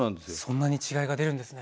そんなに違いが出るんですね。